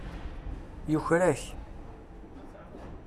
Yuker-ak.